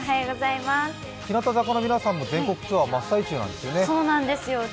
日向坂の皆さんも全国ツアー真っ最中なんですよね？